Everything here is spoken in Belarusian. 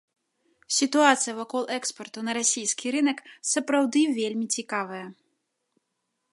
Сітуацыя вакол экспарту на расійскі рынак сапраўды вельмі цікавая.